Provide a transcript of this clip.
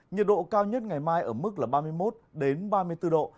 nhiệt độ cao nhất ngày mai ở mức là ba mươi một ba mươi bốn độ